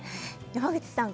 山口さん